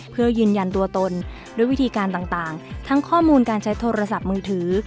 เพื่อยืนยันตัวตนด้วยวิธีการต่างทั้งข้อมูลการใช้โทรศัพท์มือถือ